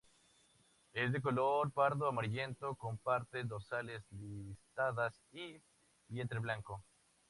Es de color pardo amarillento, con partes dorsales listadas y vientre blanco.